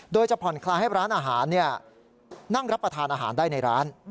โดยจะผ่อนคลายให้ร้านอาหารนั่งรับประทานอาหารได้ในร้าน